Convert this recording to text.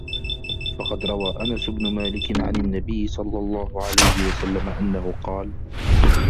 فَقَدْ رَوَى أَنَسُ بْنُ مَالِكٍ عَنْ النَّبِيِّ صَلَّى اللَّهُ عَلَيْهِ وَسَلَّمَ أَنَّهُ قَالَ